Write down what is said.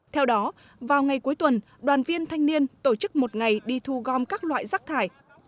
theo đó vào ngày cuối tuần đoàn viên thanh niên tổ chức một ngày đi thu gom các loại rác thải